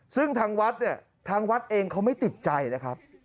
ซึ่งทางวัดเนี่ยทางวัดเองเขาไม่ติดใจนะครับ